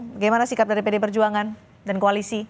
bagaimana sikap dari pd perjuangan dan koalisi